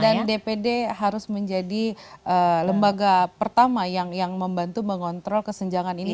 dan dpd harus menjadi lembaga pertama yang membantu mengontrol kesenjangan ini